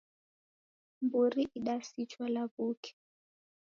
Mburi idasichwa lawuke.